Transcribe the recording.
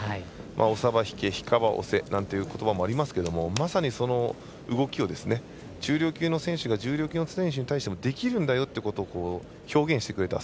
押さば引け、引かば押せということばもありますけどまさに、その動きを中量級の選手が重量級の選手に対してできるんだよということを表現してくれた。